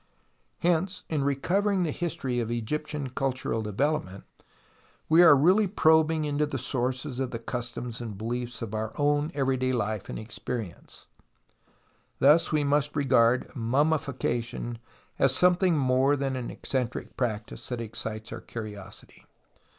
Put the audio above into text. Hence, in recovering the history of Egyptian cultural development, we are really probing into the sources of the customs and beliefs of SIGNIFICANCE OF THE DISCOVERY 53 our own everyday life and experience. Thus we must regard mummification as something more than an eccentric practice that excites our curiosity.